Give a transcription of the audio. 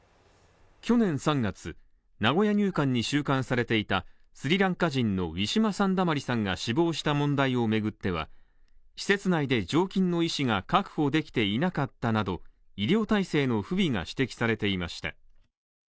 去年３月、名古屋入管に収監されていたスリランカ人のウィシュマ・サンダマリさんが死亡した問題を巡っては施設内で常勤の医師が確保できていなかったなど医療体制の不備が指摘されていました。